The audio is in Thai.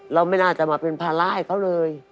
เราไม่น่าจะมาเป็นภาระให้เขาเลย